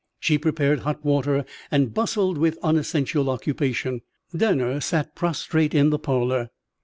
She prepared hot water and bustled with unessential occupation. Danner sat prostrate in the parlour.